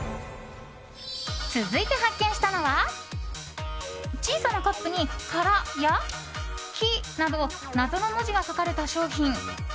続いて発見したのは小さなカップに「辛」や「キ」など謎の文字が書かれた商品。